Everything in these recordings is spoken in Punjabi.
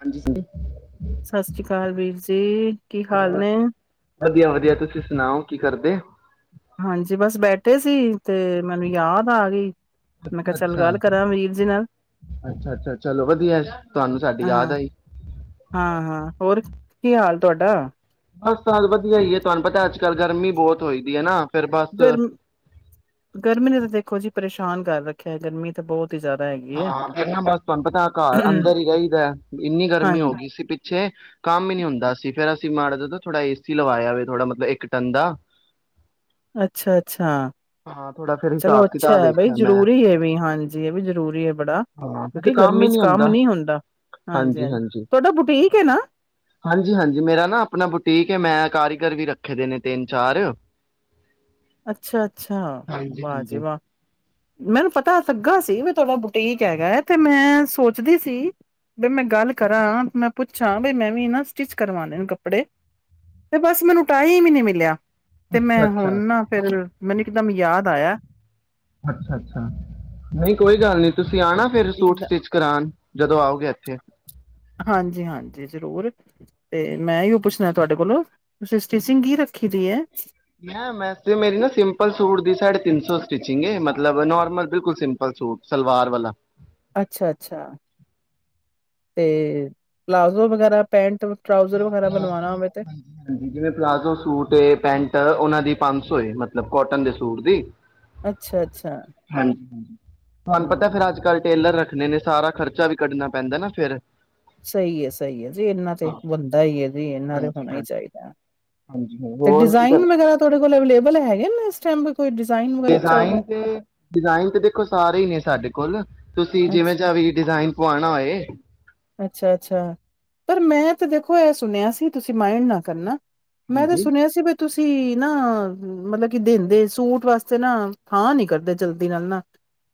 ਹਾਂਜੀ। ਸਤਿ ਸ੍ਰੀ ਅਕਾਲ, ਵੀਰ ਜੀ ਕੀ ਹਾਲ ਹੋਰ ਨੇ? ਵਧੀਆ- ਵਧੀਆ ਤੁਸੀਂ ਸੁਣਾਓ ਕੀ ਕਰਦੇ। ਹਾਂਜੀ ਬਸ ਬੈਠੇ ਸੀ ਤੇ ਮੈਨੂੰ ਯਾਦ ਆ ਗਈ। ਮੈਂ ਕਿਹਾ ਚੱਲ ਅੱਛਾ ਗੱਲ ਕਰਾਂ ਵੀਰ ਜੀ ਨਾਲ ਅੱਛਾ ਅੱਛਾ ਚਲੋ ਵਧੀਆ ਤੁਹਾਨੂੰ ਸਾਡੀ ਯਾਦ ਹਾਂ ਆਈ ਹਾਂ ਹਾਂ ਹੋਰ ਕੀ ਹਾਲ ਤੁਹਾਡਾ ਬ ਸਦ ਵਧੀਆ ਹੀ ਹੈ ਤੁਹਾਨੂੰ ਪਤਾ ਅੱਜ ਕੱਲ੍ਹ ਗਰਮੀ ਬਹੁਤ ਹੋਈ ਦੀ ਹੈ ਨਾ ਫਿਰ ਬਸ ਗਰਮ ਗਰਮੀ ਨੇ ਤਾਂ ਦੇਖੋ ਜੀ ਪਰੇਸ਼ਾਨ ਕਰ ਰੱਖਿਆ ਗਰਮੀ ਤਾਂ ਬਹੁਤ ਹੀ ਜ਼ਿਆਦਾ ਹੈਗੀ ਹੈ। ਹਾਂ ਨਾ ਬਸ ਤੁਹਾਨੂੰ ਪਤਾ ਘਰ ਅੰਦਰ ਹੀ ਰਹੀਦਾ ਇੰਨੀ ਗਰਮੀ ਹੋ ਹਾਂਜੀ, ਗਈ ਸੀ ਪਿੱਛੇ ਕੰਮ ਹੀ ਨਹੀਂ ਹੁੰਦਾ ਸੀ ਫੇਰ ਮਾੜਾ ਦਾ ਥੋੜਾ ਏ ਸੀ ਲਵਾਇਆ ਹੋਵੇ ਥੋੜਾ ਮਤਲਬ ਇੱਕ ਟਨ ਦਾ ਅੱਛਾ ਅੱਛਾ ਹਾਂ ਥੋੜਾ ਫਿਰ ਚਲੋ ਹਿਸਾਬ ਕਿਤਾਬ ਅੱਛਾ ਬਈ ਵੇਖਿਆ ਮੈਂ ਜ਼ਰੂਰੀ ਹੈ ਵੀ ਹਾਂਜੀ ਇਹ ਵੀ ਜ਼ਰੂਰੀ ਹੈ ਬੜਾ। ਹਾਂ ਫ ਕਿਉਂਕਿ ਕੰਮ ਗਰਮੀ ਹੀ ਚ ਨਹੀਂੀ ਹੁੰਦਾ ਨਹੀਂ ਹਾਂਜੀ ਹਾਂਜੀ ਤੁਹਾਡਾ ਬੁਟੀਕ ਹੈ ਨਾ ਹਾਂਜੀ ਹਾਂਜੀ ਮੇਰਾ ਨਾ ਆਪਣਾ ਬੁਟੀਕ ਹੈ ਮੈਂ ਕਾਰੀਗਰ ਵੀ ਰੱਖ ਰੱਖੇ ਦੇ ਨੇ ਤਿੰਨ ਚਾਰ ਅੱਛਾ ਅੱਛਾ ਹਾਂਜੀ ਹਾਂਜੀ ਵਾਹਜੀ ਵ ਮੈਨੂੰ ਪਤਾ ਲੱਗਾ ਸੀ ਥੋੜਾ ਬੁਟੀਕ ਹੈਗਾ ਤੇ ਮੈਂ ਸੋਚਦੀ ਸੀ ਬ ਮੈਂ ਗੱਲ ਕਰਾਂ ਮੈਂ ਪੁੱਛਾਂ ਬਈ ਮੈਂ ਵੀ ਨਾ ਸਟਿਚ ਕਰਵਾਦੇ ਨੂੰ ਕੱਪੜੇ ਤੇ ਬਸ ਮੈਨੂੰ ਟਾਈ ਵੀ ਨਹੀਂੀ ਮਿਲਿਆ ਤੇ ਅੱਛਾ ਮੈਂ ਹੁਣ ਅੱਛਾ ਨਾ ਮੈਨੂੰ ਇੱਕਦਮ ਯਾਦ ਆਇਆ ਅੱਛਾ ਸਿਆਣਾ ਫੇਿਰ ਇੱਕ ਸੂਟ ਸਟਿਚ ਕਰਾਉਣ ਜਦੋਂ ਆਓਗੇ ਇੱਥੇ ਹਾਂਜੀ ਹਾਂਜੀ ਜ਼ਰੂਰ ਤੇ ਮੈਂ ਓ ਪੁੱਛਣਾ ਤੁਹਾਡੇ ਕੋਲੋਂ ਤੁਸੀਂ ਸਟਿਚਿੰਗ ਕੀ ਰੱਖੀ ਦੀ ਹੈ ਮ ਵੈਸੇ ਮੇਰੀ ਨਾ ਸਿੰਪਲ ਸੂਟ ਦੀ ਸਾੇ ਤਿੰਨ ਸੌ ਸਟਿਚਿੰਗ ਮਤਲਬ ਨੋਰਮਲ ਬਿਲਕੁਲ ਸਿੰਪਲ ਸੂਟ ਸਲਵਾਰ ਵਾਲਾ ਅੱਛਾ ਅੱਛਾ ਤੇ ਪਲਾਜ਼ੋ ਵਗੈਰਾ ਪੈਂਟ ਟਰਾਊਜ਼ਰ ਵਗੈਰਾ ਬਣਵਾਣਾ ਹੋਵੇ ਤੇ ਜਿਵੇਂ ਪਲਾਜ਼ੋ ਸੂਟ ਪੈਂਟ ਉਹਨਾਂ ਦੀ ਪੰਜ ਸੌ ਏ ਮਤਲਬ ਕੋਟਨ ਦੇ ਸੂਟ ਦੀ ਅੱਛਾ ਅੱਛਾ ਹਾਂਜੀ ਹਾਂਜੀ ਤੁਹਾਨੂੰ ਹਮ ਪਤਾ ਫੇਿਰ ਅੱਜ ਕੱਲ੍ਹ ਟੇਲਰ ਦੇਖਣੇ ਨੇ ਸਾਰਾ ਖਰਚਾ ਵੀ ਕੱਢਣਾ ਪੈਂਦਾ ਨਾ ਫੇਿਰ ਸਹੀ ਹੈ ਸਹੀ ਹੈ ਜੇ ਇਹਨਾਂ ਤੇ ਦਾ ਹੀ ਹੈ ਜੀ ਇਹਨਾਂ ਦੇ ਹਾਂਜੀ ਹੋਣਾ ਹੀ ਹਾਂਜੀ ਚਾਹੀਦਾ ਹਾਂਜੀ ਤੇ ਹੋਰ ਕੀ ਕਰ ਡਿਜ਼ਾਇਨ ਵਗੈਰਾ ਤੁਹਾਡੇ ਕੋਲ ਅਵੇਲੇਬਲ ਹੈਗੇ ਨੇ [unintelligible] ਵਗੈਰਾ ਅੱਛਾ ਡਿਜ਼ਾਇਨ ਤੇ ਡਿਜ਼ਾਇਨ ਤੇ ਦੇਖੋ ਸਾਰੇ ਹੀ ਨੇ ਸਾਡੇ [unintelligible] ਤੁਸੀਂ ਜਿਵੇਂ ਅੱਛਾ, ਚਾਵੀ ਡਿਜ਼ਾਇਨ ਪਾਣਾ ਏ ਅੱਛਾ ਅੱਛਾ ਪਰ ਮੈਂ ਤੇ ਦੇਖੋ ਇਹ ਸੁਣਿਆ ਸੀ ਤੁਸੀਂ ਮਾਇਡ ਨਾ ਕਰਨਾ ਮੈਂ ਤਾਂ ਹਾਂਜੀ ਸੁਣਿਆ ਸੀ ਬ ਤੁਸੀਂ ਨਾ ਮਤਲਬ ਕਿ ਦਿੰਦੇ ਸੂਟ ਵਾਸਤੇ ਨਾ ਹਾਂ ਨੀ ਕਰਦੇ ਜਲਦੀ ਨਾਲ ਨਾ।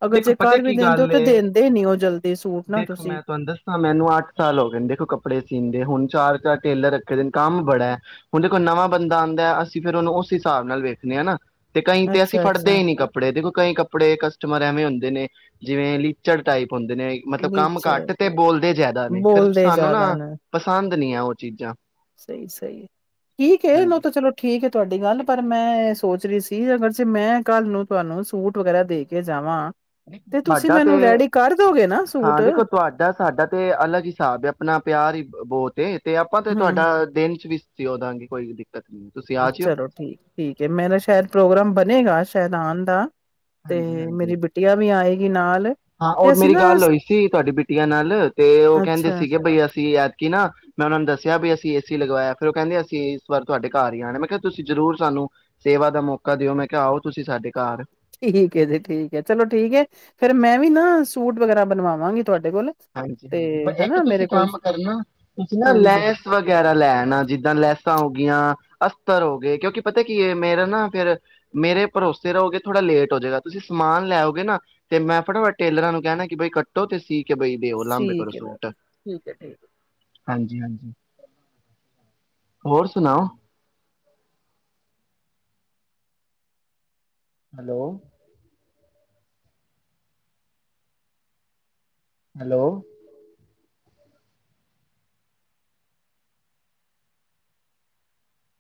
ਅਗਰ ਦੇਖੋ ਜੇ ਪਤਾ ਕਰ ਵੀ ਕੀ ਦਿੰਦੇ ਹੋ ਗੱਲ ਤੇ ਏ ਦਿੰਦੇ ਨੀ ਹੋ ਜਲਦੀ ਸੂਟ ਨਾ ਦੇਖੋ ਤੁਸੀਂ। ਮੈਂ ਤੁਹਾਨੂੰ ਦੱਸਾਂ ਮੈਨੂੰ ਅੱਠ ਸਾਲ ਹੋ ਗਏਣ ਦੇਖੋ ਕੱਪੜੇ ਸੀਂਦੇ। ਹੁਣ ਚਾਰ ਚਾਰ ਟੇਲਰ ਰੱਖੇ ਦੇ ਨੇ, ਕੰਮ ਬੜਾ ਹੈ। ਹੁਣ ਦੇਖੋ ਨਵਾਂ ਬੰਦਾ ਆਂਦੈ ਅਸੀਂ ਫਿਰ ਉਹਨੂੰ ਉਸ ਹਿਸਾਬ ਨਾਲ ਵੇਖਣੇ ਆ ਨਾ। ਤੇ ਕਈ ਤੇ ਅਸੀਂ ਅੱਛਾ, ਫੜਦੇ ਅੱਛਾ ਈ ਨੀ ਕੱਪੜੇ ਦੇਖੋ ਕਈ ਕੱਪੜੇ ਕਸ ਏਵੇ ਹੁੰਦੇ ਨੇ। ਜਿਵੇਂ, ਲੀਚੜ ਟਾਈਪ‌। ਹੁੰਦੇ ਨੇ ਮਤਲਬ ਕੰਮ ਨੀਚੜ ਘੱਟ ਤੇ ਬੋਲਦੇ ਜ਼ਿਆਦਾ ਨੇ ਫਿਰ ਬੋਲਦੇ ਸਾਨੂੰ ਨਾ ਜ਼ਿਆਦਾ ਪਸੰਦ ਨੇ ਪਸੰਦ ਨੀ ਔ ਚੀਜ਼ਾਂ। ਸਹੀ ਸਹੀ, ਠੀਕ ਹੇ, ਨਾ ਹਾਂਜੀ ਤਾਂ ਚਲੋ ਠੀਕ ਹੇ ਤੁਹਾਡੀ ਗੱਲ। ਪਰ, ਮੈਂ ਐ ਸੋਚ ਰੀ ਸੀ। ਤੀਸੈ ਅਗਰ ਜੇ ਮੈਂ ਕੱਲ ਨੂੰ ਤੁਹਾਨੂੰ ਸੂਟ ਵਗੈਰਾ ਦੇ ਕੇ ਜਾਵਾਂ ਤੇ ਤੁਸੀਂ ਸਾਡਾ ਤੇ ਮੈਨੂੰ ਰੈਡੀ ਕਰ ਦੋਗੇ ਨਾ ਸੂਟ ਹਾਂ, ਦੇਖੋ ਤੁਹਾਡਾ ਸਾਡਾ ਤੇ ਅਲੱਗ ਹਿਸਾਬ ਏ ਆਪਣਾ ਪਿਆਰ ਹੀ ਬੌਤ ਤੇ। ਤੇ ਆਪਾਂ ਤੇ ਹੂੰ ਤੁਹਾਡਾ ਦਿਨ ਚ ਵੀ ਸ ਸੀਂਓਦਾਂਗੇ ਕੋਈ ਵੀ ਦਿ ਚਲੋ ਠੀਕ ਠੀਕ ਏ। ਮੇਰਾ ਸ਼ਾਇਦ ਪ੍ਰੋਗਰਾਮ ਬਣੇਗਾ। ਸੈ਼ਦ ਆਨ ਦਾ। ਤੇ ਹਾਂਜੀ ਹਾਂਜੀ ਮੇਰੀ ਬਿਟਆ ਵੀ ਆਏਗੀ ਨਾਲ। ਹਾਂ, ਔ ਤੇ ਅਸੀਂ ਮੇਰੀ ਨਾ ਗੱਲ ਹੋਈ ਸੀ ਤੁਹਾਡੀ ਬਿਟੀਆਂ ਨਾਲ ਤੇ ਔ ਕਹਿੰਦੇ ਅੱਛਾ ਸੀਗੇ ਬਈ ਅਸ ਸੀ ਐਤਕੀ ਨਾ ਮੈਂ ਉਹਨਾਂ ਨੂੰ ਦੱਸਿਆ, ਬਈ ਅਸੀਂ ਏ ਸੀ ਲਗਵਾਇਆ। ਫੇਰ ਉਹ ਕਹਿੰਦੇ, ਅਸੀਂ ਇਸ ਵਾਰ ਤੁਹਾਡੇ ਘਰ ਹੀ ਆਣੈ ।ਮੈਂ ਕਿਹਾ ਤੁਸੀਂ ਜ਼ਰੂਰ ਸਾਨੂੰ ਸੇਵਾ ਦਾ ਮੌਕਾ ਦਿਓ ਮੈਂ ਕਿਹਾ ਆਓ ਤੁਸੀਂ ਸਾਡੇ ਘਰ। ਠੀਕ ਹੈ ਜੀ, ਠੀਕ ਹੈ। ਚਲੋ, ਠੀਕ ਹੈ। ਫੇਰ, ਮੈਂ ਵੀ ਨਾ ਸੂਟ ਵਗੈਰਾ ਬਣਵਾਵਾਂਗੀ। ਤੁਹਾਡੇ ਕੋਲ ਹਾਂਜੀ ਤੇ ਹਾਂਜੀ, ਏਕ ਹਨਾ ਮੇਰੇ ਤੁਸੀਂ ਕੋਲ ਕੰਮ ਕਰਨਾ ਤੁਸੀਂ ਨਾ ਹਾਂਜੀ ਲੈਸ ਵਗੈਰਾ ਲੈਣਾ ਜਿੱਦਾਂ ਲੈਸਾਂ ਹੋ ਗੀਆਂ। ਅਸਤਰ ਹੋ ਗੇ। ਕਿਉਂਕਿ ਪਤਾ ਕੀ ਮੇਰਾ ਨਾ ਫੇਰ ਮੇਰੇ ਭਰੋਸੇ ਰਹੋਗੇ ਥੋੜਾ ਲੇਟ ਹੋ ਜੇਗਾ। ਤੁਸੀਂ ਸਮਾਨ ਲੈਓਗੇ ਨਾ ਤੇ ਮੈਂ ਫਟਾਫਟ ਟੇਲਰਾਂ ਨੂੰ ਕੈਣਾ ਕਿ ਬਈ ਕੱਟੋ ਤੇ ਸੀ ਕੇ ਬਈ ਦਿਓ ਲਾਂਬੇ ਕਰੋ ਠੀਕ ਹੈ ਸੂਟ, ਠੀਕ ਹੈ ਠੀਕ ਹੈ। ਹਾਂਜੀ ਹਾਂਜੀ। ਹੋਰ ਸੁਣਾਓ? ਹੈਲੋ। ਹੈਲੋ।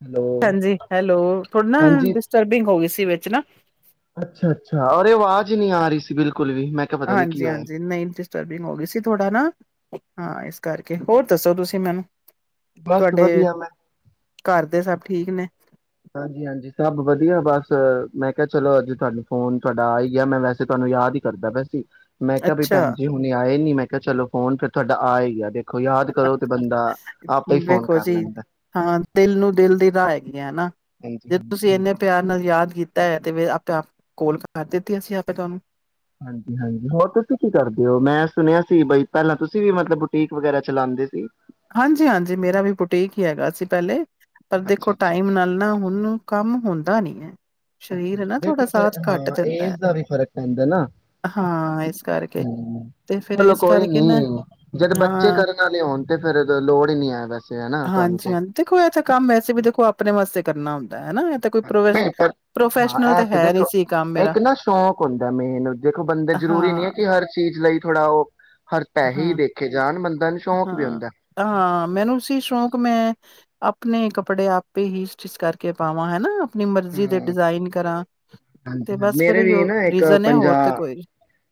ਹੈਲੋ ਹਾਂਜੀ, ਹੈਲੋ ਥੋੜੀ ਨਾ ਹਾਂਜੀ ਡਿਸਟਰਬਿੰਗ ਹੋ ਗੀ ਸੀ। ਤੀ ਵਿੱਚ ਨਾ। ਅੱਛਾ ਅੱਛਾ। ਅਰੇ, ਆਵਾਜ਼ ਨ੍ਹੀਂ ਆ ਰੀ ਸੀ ਬਿਲਕੁਲ। ਵੀ ਮੈਂ ਕਿਹਾ ਪਤਾ ਨੀ ਕੀ ਹਾਂਜੀ ਹੋਇਆ ਹਾਂਜੀ, ਨਹੀਂ ਡਿਸਟਰਬਿੰਗ ਹੋ ਗੀ ਸੀ ਥੋੜਾ ਨਾ। ਹਾਂ, ਇਸ ਕਰਕੇ ਹੋਰ ਦੱਸੋ ਤੁਸੀਂ ਮੈਨੂੰ? ਬਸ ਵਧੀਆ ਮੈਂ। ਤੇ ਸਭ ਠੀਕ ਨੇ। ਹਾਂਜੀ ਹਾਂਜੀ, ਸਭ ਵਧੀਆ। ਬਸ ਮੈਂ ਕਿਆ ਚਲੋ, ਅੱਜ ਤੁਹਾਨੂੰ ਫੋਨ ਤੁਹਾਡਾ ਆ ਈ ਗਿਆ ਮੈਂ ਵੈਸੇ ਤੁਹਾਨੂੰ ਯਾਦ ਹੀ ਕਰਦਾ ਪਿਆ ਸੀ। ਮੈਂ ਕਿਆ ਵੀ ਭੈਣ ਅੱਛਾ ਜੀ ਹੁਣੇ ਆਏ ਨੀ ਮੈਂ ਚਲੋ ਫੋਨ ਫਿਰ ਤੁਹਾਡਾ ਆ ਹੀ ਗਿਆ ਏ ਫੋਨ ਵੇਖੋ ਕਰ ਜੀ ਲੈਂਦਾ ਹਾਂ ਦਿਲ ਨੂੰ ਦਿਲ ਦੀ ਰਾਹ ਹੈਗੀ ਆ ਨਾ। ਜੇ ਹਾਂਜੀ-ਹਾਂਜੀ ਤੁਸੀਂ ਇੰਨੇ ਬਿਲਕੁਲ ਪਿਆਰ ਨਾਲ ਯਾਦ ਕੀਤਾ ਹੈ, ਤੇ ਆਪੇ ਆਪ ਅਸੀਂ ਆਪੇ ਤੁਹਾਨੂੰ ਕਾਲ ਕਰ ਦਿੱਤੀ ਹਾਂਜੀ ਹਾਂਜੀ ਹੋਰ ਤੁਸੀਂ ਕੀ ਕਰਦੇ ਹੋ, ਮੈਂ ਸੁਣਿਆ ਸੀ ਬਈ ਪਹਿਲਾਂ ਤੁਸੀਂ ਵੀ ਮਤਲਬ ਬੁਟੀਕ ਵਗੈਰਾ ਚਲਾਉਂਦੇ ਸੀ। ਹਾਂਜੀ ਹਾਂਜੀ, ਮੇਰਾ ਵੀ ਬੁਟੀਕ ਹੀ ਹੈਗਾ ਸੀ, ਪਹਿਲੇ ਪਰ ਦੇਖੋ ਅੱਛਾ-ਅੱਛਾ, ਟਾਈਮ ਨਾਲ ਨਾ ਹੁਣ ਕੰਮ ਹੁੰਦਾ ਨੀ ਐ। ਅੱਛਾ ਦੇਖੋ, ਫਿਰ ਹਾਂ ਹੈ। ਏਜ ਦਾ ਵੀ ਫ਼ਰਕ ਪੈਂਦਾ ਨਾ, ਹਾਂ ਇਸ ਕਰਕੇ ਹੂ ਤੇ ਫੇਰ ਚਲੋ ਇਸ ਕੋਈ ਕਰਕੇ ਨੀ ਨਾ ਜਦ ਬੱਚੇ ਹਾਂ ਕਰਨ ਵਾਲੇ ਹੋਣ ਤੇ ਫੇਰ ਲੋੜ ਹੀ ਨੀ ਹੈ ਵੈਸੇ ਹਨਾ ਤੁਹਾਨੂੰ ਤੇ ਹਾਂਜੀ ਦੇਖੋ ਇਥੇ ਕੰਮ ਵੈਸੇ ਵੀ ਦੇਖੋ ਆਪਣੇ ਨਮਸਤੇ ਕਰਨਾ ਹੁਨ ਪਰ ਹਾਂ ਇਹ ਤਾਂ ਤੇ ਹੈ ਦੇਖੋ ਨਹੀਂ ਸੀ ਕੰਮ ਮੇਰਾ ਇੱਕ ਨਾ ਸ਼ੌਕ ਹੁੰਦਾ ਏ ਮੇਨ, ਦੇਖੋ ਬੰਦੇ ਜ਼ਰੂਰੀ ਨਹੀਂ ਏ ਹਾਂ, ਕਿ ਹਰ ਚੀਜ਼ ਲਈ ਥੋੜਾ ਉਹ ਹਰ ਪੈਸੇ ਹੀ ਹਾਂ ਦੇਖੇ ਜਾਣ ਬੰਦਾ ਨੂੰ ਸ਼ੌਕ ਵੀ ਹਾਂ ਹੁੰਦਾ ਹਾਂ ਮੈਨੂੰ ਸੀ ਸ਼ੌਕ ਮੈਂ ਆ ਆਪਣੇ ਕੱਪੜੇ ਆਪੇ ਹੀ ਸਟਿੱਚ ਕਰਕੇ ਪਾਵਾਂ, ਹੇਨਾ। ਆਪਣੀ ਮਰਜ਼ੀ ਦੇ ਡਿਜ਼ਾਇਨ ਕਰਾਂ ਹਾਂਜੀ, ਤੇ ਹਨ, ਬਸ ਫਿਰ ਮੇਰੇ ਵੀ ਇਹੀਓ ਨਾ ਇੱਕ ਰੀਜ਼ਨ ਹੈ ਪੰਜਾ, ਹੋਰ ਤੇ ਕੋਈ ਨਹੀਂ।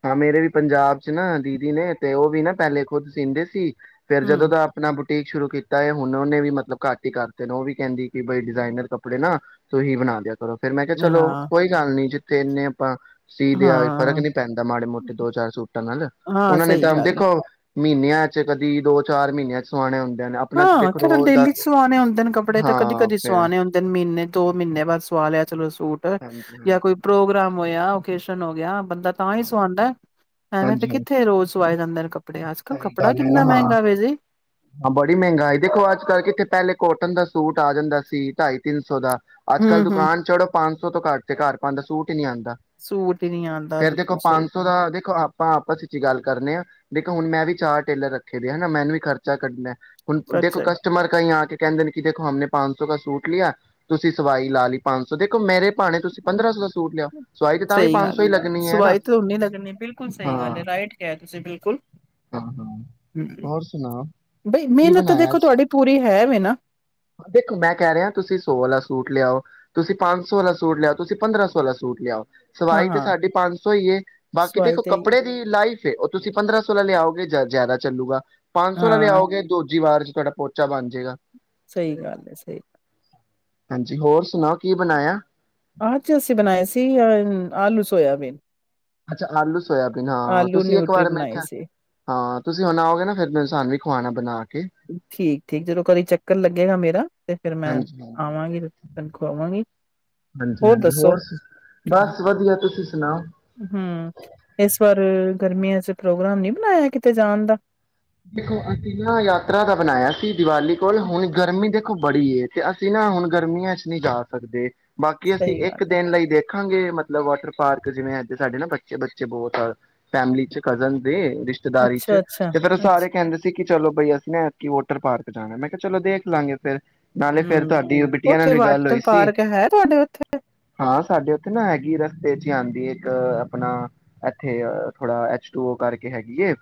ਹਾਂ ਮੇਰੇ ਵੀ ਪੰਜਾਬ ਚ ਨਾ ਦੀਦੀ ਨੇ ਤੇ ਉਹ ਵੀ ਨਾ ਪਹਿਲੇ ਖੁਦ ਸੀਂਦੇ ਸੀ। ਤੇ ਜਦੋਂ ਹੂੰ, ਦਾ ਆਪਣਾ ਬੁਟੀਕ ਸ਼ੁਰੂ ਕੀਤਾ ਏ, ਹੁਣ ਉਹਨੇ ਵੀ ਮਤਲਬ ਘੱਟ ਹੀ ਕਰਤੇ ਨੇ ਉਹ ਵੀ ਕਹਿੰਦੀ ਕੀਬਈ ਡਿਜ਼ਾਇਨਰ ਕੱਪੜੇ ਨਾ ਤੂਹੀ ਬਣਾ ਦਿਆਂ ਚਲੋ ਫਿਰ ਮੈਂ ਕਿਹਾ ਚਲੋ ਹਾਂ, ਹੱਲ ਜਿੱਥੇ ਨੇ ਆਪਾਂ ਸੀ ਦਿਆ ਫਰਕ ਹਾਂ, ਨੀ ਪੈਂਦਾ ਮਾੜੇ ਮੋਟੇ ਦੋ ਚਾਰ ਸੂਟਾਂ ਨਾਲ ਹਾਂ, ਉਹਨਾਂ ਨੇ ਸਹੀ ਤਾਂ ਗੱਲ ਹੈ। ਦੇਖੋ। ਮਹੀਨਿਆਂ ਚ ਕਦੀ, ਦੋ ਚਾਰ ਮਹੀਨਿਆਂ ਚ ਸੋਆਣੇ ਹੁੰਦੇ। ਨੇ ਆਪਣਾ ਤੇ ਹਾਂ, ਦੇਖੋ ਕਿਹੜਾ ਰੋਜ਼ ਦਾ ਡੇਲੀ ਚ ਸਵਾਣੇ ਹੁੰਦੇ ਨੇ ਕੱਪੜੇ ਤਾਂ ਕਦੀ ਹਾਂ ਕਦੀ ਫੇਰ ਸੂਆਉਣੇ ਹੁੰਦੇ ਨੇ ਮੀਨੇ ਦੋ ਮਹੀਨੇ ਬਾਅਦ ਸਵਾਲ ਲਿਆ ਚਲੋ ਸੂਟ ਹਾਂਜੀ ਜਾਂ ਹਾਂਜੀ ਕੋਈ ਪ੍ਰੋਗਰਾਮ ਮੋਏ ਆ ਓਕੇਸ਼ਨ ਹੋ ਗਿਆ। ਬੰਦਾ ਤਾਂ ਹੀ ਹਾਂ ਸਵਾਂਦਾ ਐਵੇਂ ਤੇ ਹਾਂਜੀ ਕਿੱਥੇ ਰੋਜ਼ ਸਵਾਏ [inaudible] ਕੱਪੜੇ ਅੱਜ ਕੱਲ੍ਹ ਸਹੀ ਕੱਪੜਾ ਗੱਲ ਹੈ ਨਾ ਕਿੰਨਾ ਹਾਂ ਮਹਿੰਗਾ ਵੀਰ ਜੀ। ਹਾਂ ਬੜੀ ਮਹਿੰਗਾਈ ਦੇਖੋ ਅੱਜ ਕੱਲ੍ਹ ਕਿੱਥੇ ਪਹਿਲੇ ਕੋਟਨ ਦਾ ਸੂਟ ਆ ਜਾਂਦਾ ਸੀ ਢਾਈ ਤਿੰਨ ਸੌ ਦਾ ਅੱਜ ਕੱਲ ਹੂੰ-ਹੂੰ, ਦੁਕਾਨ ਚੜੋ ਪੰਜ ਸੋ ਤੋਂ ਘੱਟ ਤੇ ਘਾਰ ਪਾਨ ਦਾ ਸੂਟ ਨਹੀਂ ਆਉਂਦਾ। ਸੂਟ ਹੀ ਨੀ ਆਂਦਾ ਫੇਰ ਦੇਖੋ ਬਿਲਕੁਲ ਸਹੀ ਪੰਜ ਸੌ ਗੱਲ ਦਾ ਦੇਖੋ ਆਪਾਂ ਆਪਸ ਵਿੱਚ ਗੱਲ ਕਰਨੇ ਆ। ਦੇਖੋ ਹੁਣ ਮੈਂ ਵੀ ਚਾਰ ਟੇਲਰ ਰੱਖੇ ਦੇ, ਹਨਾ ਮੈਨੂੰ ਵੀ ਖਰਚਾ ਕੱਢਣਾ। ਹੁਣ ਦੇਖੋ ਅੱਛਾ। ਕਸਟਮਰ ਕਈ ਆ ਕੇ ਕਹਿੰਦੇ ਨੇ ਕਿ ਦੇਖੋ ਹਮ ਨੇ ਪੰਜ ਸੌ ਕ ਸੂਟ ਲਿਆ, ਤੁਸੀਂ ਸਵਾਈ ਲਾ ਲਈ ਪੰਜ ਸੌ ਦੇਖੋ ਮੇਰੇ ਭਾਣੇ ਤੁਸੀਂ ਪੰਦਰਾਂ ਸੌ ਦਾ ਸੂਟ ਲਿਆਓ ਸਵਾਈ ਤੇ ਤਾਂ ਵੀ ਸਹੀ ਪੰਜ ਗੱਲ ਸੌ ਹੈ ਹੀ ਲੱਗਣੀ ਨਾ ਸਵਾਈ ਤੇ ਓਹਨੀ ਲਗਣੀ ਬਿਲਕੁਲ ਸਹੀ ਹਾਂ ਗੱਲ ਹੈ ਰਾਇਟ ਕਿਹਾ ਤੁਸੀਂ ਬਿਲਕੁਲ। ਹਾਂ ਹਾਂ ਹੋਰ ਸੁਣਾਓ ਬਈ ਕੀ ਮਿਹਨਤ ਤਾਂ ਬਣਾਇਆ ਦੇਖੋ ਅੱਜ ਤੁਹਾਡੀ ਪੂਰੀ ਹੈ ਵੇ ਨਾ ਦੇਖੋ ਮੈਂ ਕਹਿ ਰਿਹਾ ਤੁਸੀਂ ਸੋ ਆਲਾ ਸੂਟ ਲਿਆਓ ਤੁਸੀਂ ਪੰਜ ਸੌ ਵਾਲਾ ਸੂਟ ਲਿਆਓ, ਤੁਸੀਂ ਪੰਦਰਾਂ ਸੌ ਵਾਲਾ ਸੂਟ ਲਿਆਓ । ਸਵਾਈ ਤੇ ਹਾਂ-ਹਾਂ ਸਾਢੇ ਪੰਜ ਸੌ ਹੀ ਏ ਬਾਕੀ ਸਵਾਈ ਦੇਖੋ ਤੇ ਕੱਪੜੇ ਦੀ ਲਾਈਫ ਉਹ ਤੁਸੀਂ ਪੰਦਰਾਂ ਸੌ ਸੋ ਦਾ ਲਿਆਓਗੇ ਜ਼ਿਆਦਾ ਚੱਲੂਗਾ। ਪੰਜ ਸੌ ਦਾ ਹਾਂ ਲਿਆਓਗੇ ਦੁੱਧ ਜੀ ਵਾਰ ਚ ਤੁਹਾਡਾ ਪੋਚਾ ਬਣ ਜਾਏਗਾ । ਸਹੀ ਗੱਲ ਹੈ ਸਹੀ ਗੱਲ। ਹਾਂਜੀ ਹੋਰ ਸੁਣਾਓ ਕੀ ਬਣਾਇਆ? ਅੱਜ ਅਸੀਂ ਬਣਾਏ ਸੀ ਅ ਆਲੂ ਸੋਯਾਬੀਨ। ਅੱਛਾ ਆਲੂ ਸੋਇਆਬੀਨ ਹਾਂ ਤੁਸੀਂ ਇੱਕ ਨਿਊਟਰੀ ਵਾਰ ਮੈਂ ਬਣਾਏ ਕਿਹਾ, ਸੀ। ਹਾਂ ਤੁਸੀਂ ਹੁਣ ਆਓਗੇ ਨਾ ਫ਼ਿਰ ਮੈਂ ਸਾ ਵੀ ਖਾਣਾ ਬਣਾ ਕੇ ਠੀਕ ਠੀਕ ਜਦੋਂ ਕਦੇ ਚੱਕਰ ਲੱਗੇਗਾ ਮੇਰਾ ਤੇ ਫਿਰ ਮੈਂ ਹਾਂਜੀ ਹਾਂਜੀ ਆਵਾਂਗੀ ਤੇ ਤੁਹਾਨੂੰ ਖਵਾਵਾਂਗੀ, ਹਾਂਜੀ ਹੋਰ ਹਾਂਜੀ ਦੱਸੋ ਸੁ- ਬਸ ਵਧੀਆ ਤੁਸੀਂ ਸੁਣਾਓ ਹੂੰ ਇਸ ਵਾਰ ਅ ਗਰਮੀਆਂ ਚ ਪ੍ਰੋਗਰਾਮ ਨੀ ਬਣਾਇਆ ਕਿਤੇ ਜਾਣ ਦਾ। ਦੇਖੋ ਅਸੀਂ ਨਾ ਯਾਤਰਾ ਦਾ ਬਣਾਇਆ ਸੀ। ਦੀਵਾਲੀ ਕੋਲ ਹੁਣ ਗਰਮੀ ਦੇ ਬੜੀ ਏ ਤੇ ਅਸੀਂ ਨਾ ਹੁਣ ਗਰਮੀਆਂ ਚ ਨਹੀਂ ਜਾ ਸਕਦੇ। ਬਾਕੀ ਅਸੀਂ ਸਹੀ ਇੱਕ ਗੱਲ ਏ, ਦਿਨ ਲਈ ਦੇ ਦੇਖਾਂਗੇ, ਮਤਲਬ ਵਾਟਰ ਪਾਰਕ ਜਿਵੇਂ ਅੱਜ ਸਾਡੇ ਨਾ ਬੱਚੇ ਬੱਚੇ ਬਹੁਤ ਆ ਫੈਮਿਲੀ ਚ ਕੱਜਨ ਦੇ। ਰਿਸ਼ਤੇਦਾਰੀ ਚ ਅੱਛਾ-ਅੱਛਾ, ਤੇ ਫਿਰ ਸਾਰੇ ਅੱਛ ਕਹਿੰਦੇ ਸੀ। ਕਿ ਚਲੋ ਬਈ ਅਸੀਂ ਨਾ ਐਤਕੀ ਨਾ ਵਾਟਰ ਪਾਰਕ ਜਾਣਾ, ਮੈਂ ਕਿਹਾ ਚਲੋ ਦੇਖ ਲਾਂਗੇ ਫ਼ਿਰ। ਨਾਲੇ ਫ਼ਿਰ ਹੂੰ। ਤੁਹਾਡੀ ਓਹ ਬਿੱਟਿਆ ਨਾਲ ਉੱਥੇ ਵੀ ਗੱਲ ਹੋਈ ਵਾਟਰ ਸੀ, ਪਾਰਕ ਹੈ ਤੁਹਾਡੇ ਉੱਥੇ? ਹਾਂ ਸਾਡੇ ਉੱਥੇ ਨਾ ਹੈਗੀ ਆ। ਤੇ ਏਥੇ ਆਦੀ ਆ ਇੱਕ ਆਪਣਾ ਇੱਥੇ ਥੋੜਾ ਐਚ ਟੂ ਓ ਕਰਕੇ ਹੈਗੀ ਏ।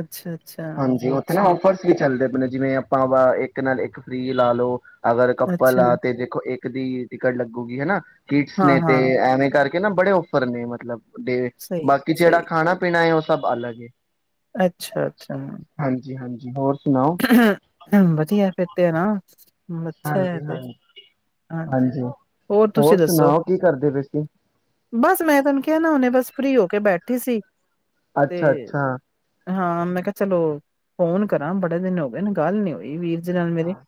ਅੱਛਾ, ਹਾਂਜੀ ਉੱਥੇ ਨਾ ਔਫਰਸ ਵੀ ਚੱਲਦੇ ਪਏ ਨੇ ਜਿਵੇਂ ਆਪਾਂ ਵਾ ਇੱਕ ਨਾਲ ਇੱਕ ਫੀ੍ ਲਾ ਲਓ। ਅਗਰ ਕੱਪਲ ਅੱਛਾ, ਆ ਤੇ ਦੇਖੋ ਇੱਕ ਕ ਦੀ ਟਿਕਟ ਲੱਗੂਗੀ ਹੈਨਾ। ਕਿਟਸ ਨੇ ਤੇ ਹਾਂ-ਹਾਂ, ਐਵੇਂ ਕਰਕੇ ਕੇਨਾ ਬੜੇ ਔਫਰ ਨੇ ਮਤਲਬ। ਡੇ ਬਾਕੀ ਜਿਹੜਾ ਸਹੀ-ਸਹੀ। ਖਾਣਾ ਪੀਣਾ ਏ ਓਸ ਸਭ ਅਲੱਗ ਏ। ਅੱਛਾ। ਹਾਂਜੀ-ਹਾਂਜ ਬੋਰ [inaudible] ਵਧੀਆ ਫੇਰ ਤੇ ਨਾ। ਅੱਛਾ ਹਾਂਜੀ ਤੇ ਹਾਂਜੀ ਹਾਂਜੀ ਹੋਰ ਤੁਸੀਂ ਦੱਸੋ ਸੁਣਾਓ ਕੀ ਕਰਦੇ ਪਏ ਸੀ ਬਸ ਮੈਂ ਤੁਹਨੂੰ ਕਿਹਾ ਨਾ ਉਹਨੇ ਬਸ ਫਰੀ ਹੋ ਕੇ ਬੈਠੀ ਸੀ। ਤੇ ਅੱਛਾ-ਅੱਛਾ। ਹਾਂ, ਮੈਂ ਕਿਆ ਚਲੋ ਫੋਨ ਕਰਾਂ ਬੜ ਦਿਨ ਹੋ ਗਏ ਨੇ ਗੱਲ ਨੀ ਹੋਈ ਵੀਰ। ਜੀ ਨਾਲ ਮੇਰੀ, ਹਾਂ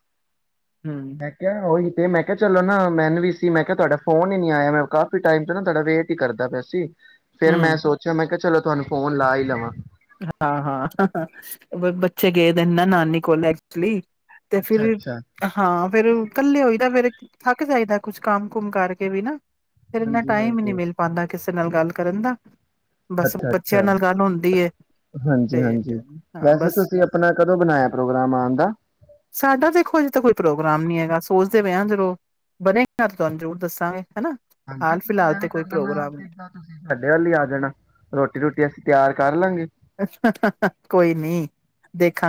ਹੂੰ, ਮੈਂ ਕਿਹਾ ਉਹੀ ਤੇ ਮੈਂ ਕਿਹਾ ਚਲੋ ਨਾ ਮੈਨੂੰ ਵੀ ਸੀ ਮੈਂ ਤੁਹਾਡਾ ਫੋਨ ਹੀ ਨੀ ਆਇਆ ਮੈਂ ਕਾਫੀ ਟਾਈਮ ਚ ਨਾ ਤੁਹਾਡਾ ਵੇਟ ਹੀ ਕਰਦਾ ਪਿਆ ਸੀ। ਫੇਰ ਹੂੰ। ਮੈਂ ਸੋਚਿਆ ਮੈਂ ਕਿਹਾ ਚਲੋ ਤੁਹਾਨੂੰ ਫੋਨ ਲਾ ਹੀ ਲਵਾਂ। ਹਾਂ- ਹਾਂ ਬੱਚੇ ਗਏ ਦੇ ਨੇ ਨਾ ਨਾਨੀ ਕੋਲ ਐਕਚੁਲੀ। ਤੇ ਫਿਰ ਵੀ ਅੱਛਾ-ਅੱਛਾ, ਹਾਂ ਫਿਰ ਇਕੱਲੇ ਹੋਈਦਾ ਫੇਰ ਥੱਕ ਜਾਈਦਾ ਕੁਛ ਕੰਮ ਕੁਮ ਕਰਕੇ ਵੀ ਨਾ। ਫਿਰ ਇੰਨਾ ਟਾਈਮ ਈ ਨਈ ਹਾਂਜੀ-ਹਾਂਜੀ, ਮਿਲ ਪਾਂਦਾ ਕਿਸੇ ਨਾਲ ਗੱਲ ਕਰਨ ਦਾ ਬਸ ਬੱਚਿਆਂ ਨਾਲ ਗੱਲ ਹੁੰਦੀ ਏ। ਹਾਂਜੀ ਤੇ -ਹਾਂਜੀ ਹਾਂ ਵੈਸੇ ਬਸ ਤੁਸੀਂ ਆਪਣਾ ਕਦੋਂ ਬਣਾਇਆ ਪ੍ਰੋਗਰਾਮ ਆਉਣ ਦਾ? ਸਾਡਾ ਦੇਖੋ ਜੇ ਤਾਂ ਕੋਈ ਪ੍ਰੋਗਰਾਮ ਕੰਮ ਨੀ ਹੈਗਾ ਸੋਚਦੇ ਪਏ ਹ ਜਦੋਂ ਬਣੇ ਤੇ ਤੁਹਾਨੂੰ ਜ਼ਰੂਰ ਦੱਸਾਂਗੇ। ਹਨਾ [inaudible] ਹਾਂਜੀ ਹਾਲ ਤੁਸੀਂ ਫਿਲਹਾਲ ਐਵੇਂ ਤੇ ਕਰ ਕੋਈ ਲੈਣਾ ਪ੍ਰੋਗਰਾਮ ਸਿੱ ਨਹੀਂ ਤੁਸੀਂ ਸਾਡੇ ਵ ਲਈ ਆ ਜਾਣਾ ਰੋਟੀ ਰੋਟੀ ਅਸੀਂ ਤਿਆਰ ਕਰਲਾਂਗੇ। [inaudible] ਕੋਈ ਨੀ।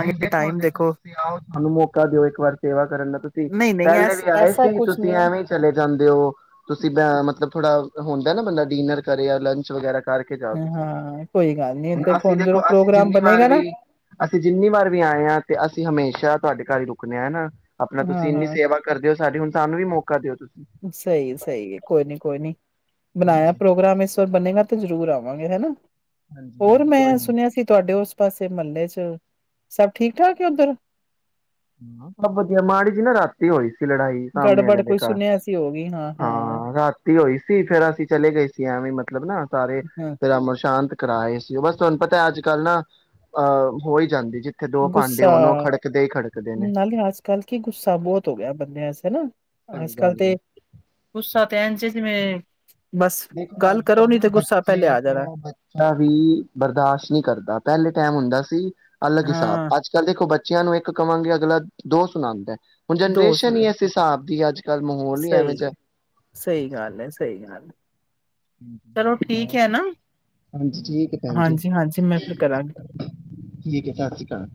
ਨਈ ਦੇਖੋ, ਟਾਈਮ ਦੇਖੋ ਤੁਸੀਂ ਆਔ ਸਾਨੂੰ ਮੌਕਾ ਦਿਓ ਇੱਕ ਵਾਰ ਸੇਵਾ ਕਰਨ ਦਾ। ਤੁਸੀ ਨਹੀਂ ਨਹੀਂ ਐ ਪਹਿਲੇ ਵੀ ਆਏ ਐਸਾ ਸੀ ਕੁਛ ਤੁਸੀ ਨਹੀਂ ਹੈ ਐਵੇਂ ਈ ਚਲੇ ਜਾਂਦੇ ਔ ਤੁਸੀ ਬੈਂ ਮਤਲਬ ਥੋੜਾ ਹੁੰਦਾ ਨਾ ਬੰਦਾ ਡਿਨਰ ਕਰੇ ਜਾਂ ਲੰਚ ਵਗੈਰਾ ਕਰਕੇ ਜਾਓ ਤੁਸੀਂ। ਹਾਂ ਕੋਈ ਗੱਲ ਨੀ ਦੇਖੋ ਹੁਣ ਜਦੋਂ ਪ੍ਰੋਗਰਾਮ ਬਣੇਗਾ ਨਾਂ। ਕਈ ਵਾਰ ਵੀ ਆਏ ਹਾਂ। ਤੇ ਅਸੀਂ ਹਮੇਸ਼ਾ ਤੁਹਾਡੇ ਘਰ ਹੀ ਰੁਕਣੇ ਹਾਂ ਹੈਨਾ। ਆਪਣਾ ਤੁਸੀਂ ਇੰਨੀ ਹਾਂ-ਹਾਂ, ਸੇਵਾ ਕਰਦੇ ਹੋ ਸਾਡੀ ਹੁਣ ਸਾਨੂੰ ਵੀ ਮੌਕਾ। ਕਰ ਦਿਓ ਤੁਸੀਂ ਬਣਾਇਆ ਹਾਂਜੀ ਪ੍ਰੋਗਰਾਮ ਇਸ ਵਾਰ ਬਣੇਗਾ ਤੇ ਜ਼ਰੂਰ ਆਓ। ਵਾਂਗੇ ਹੈ ਨੀ ਹਾਂਜੀ ਹੋਰ ਹਾਂਜੀ ਕੋਈ ਮੈਂ ਨੀ ਸੁਣਿਆ ਸੀ ਤੁਹਾਡੇ ਉਸ ਪਾਸੇ ਮਹੱਲੇ ਚ ਸਭ ਠੀਕ ਠਾਕ ਹੈ ਉੱਧਰ ਹਮ ਸਭ ਵਧੀਆ, ਮਾੜੀ ਜੀ ਨਾ ਰਾਤੀ ਹੋਈ ਸੀ। ਲੜਾਈ ਸਾਹਮਣੇ ਗੜਬੜ ਵਾਲਿਆਂ ਦੇ ਕੋਈ ਘਰ, ਸੁਨਿਆ ਸੀ ਹੋ ਗਈ ਹਾਂ-ਹਾਂ, ਹਾਂ। ਰਾਤੀ ਹੋਈ ਸੀ ਫੇਰ ਅਸੀਂ ਚਲੇ ਗਏ ਸੀ ਐਵੇਂ ਮ ਲਬਨਾ ਸਾਰੇ ਹਾਂ ਤੇ ਅਮਰ ਸ਼ਾਂਤ ਕਰਾਏ ਸੀ ਉਹ ਬਸ ਤੁਹਾਨੂੰ ਪਤਾ ਅੱਜ ਕੱਲ੍ਹ ਨਾ ਆ ਹੋ ਹੀ ਜਾਂਦੀ। ਜਿੱਥੇ ਦੋ ਭਾਂਡੇ ਗੁੱਸਾ ਹੋਣ ਉਹ ਖੜਕਦੇ ਹੀ ਖੜਕਦੇ ਨੇ ਨਾਲੇ ਅੱਜ ਕੱਲ ਕੀ ਗੁੱਸਾ ਬਹੁਤ ਹੋ ਗਿਆ ਬੰਦੇ ਸ ਨਾ [unintelligible] ਸਹੀ ਅੱਜ ਕੱਲ ਗੱਲ ਹੈ ਤੇ ਗੁੱਸਾ ਕਹਿਣ ਚ ਜਿਵੇਂ ਬਸ ਦੇਖੋ ਗੱਲ ਅੱਜ ਕਰੋ ਕੱਲ ਨੀ ਨਾ ਤੇ ਗੁੱਸਾ ਪਹਿਲੇ ਬੱਚੇ ਆ ਜਾਣਾ ਤੋਂ ਬੱਚਾ ਵੀ ਬਰਦਾਸ਼ਤ ਨਹੀਂ ਕਰਦਾ ਪਹਿਲੇ। ਟਾਇਮ ਹੁੰਦਾ ਸੀ। ਅਲੱਗ ਹਿਸਾਬ ਹਾਂ, ਅੱਜ ਕੱਲ੍ਹ ਦੇਖੋ ਬੱ ਤੇ ਔਨੂ ਇੱਕ ਕਵਾਂਗੇ ਅਗਲਾ ਦੋ ਸੁਣਾਉਂਦਾ। ਹੁਣ ਦੋਸਤ ਜਨਰੇਸ਼ਨ ਹੀ ਨਾ ਇਸ ਹਿਸਾਬ ਦੀ ਅੱ ਸਹੀ ਗ ਸਹੀ ਗੱਲ ਹੈ। ਸਹੀ ਗੱਲ। ਚਲੋ ਠੀਕ ਹੈ ਨਾ ਹਾਂਜੀ ਠੀਕ ਹੈ ਭੈਣ ਜ ਹਾਂਜੀ ਹਾਂਜੀ ਮੈਂ ਫਿਰ ਕਰਾਂਗੀ ਠੀਕ ਹੈ ਸਤਿ ਸ੍ਰੀ ਅਕਾਲ।